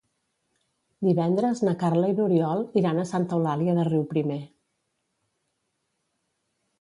Divendres na Carla i n'Oriol iran a Santa Eulàlia de Riuprimer.